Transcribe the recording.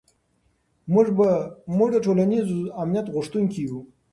موږ د ټولنیز امنیت غوښتونکي یو.